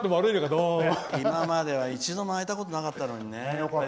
今までは一度も開いたことなかったのにね。